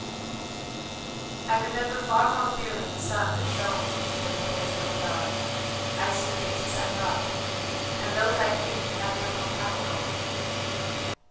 "I remember far more clearly the sun that shone than the days that were dark. I see faces I loved, and those I hated have no more power over me.